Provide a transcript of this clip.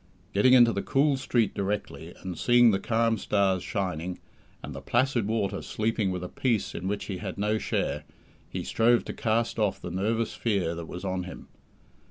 Getting into the cool street directly, and seeing the calm stars shining, and the placid water sleeping with a peace in which he had no share, he strove to cast off the nervous fear that was on him.